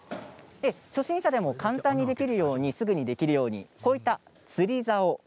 初心者でも簡単にできるようにすぐにできるようにこういった釣りざお。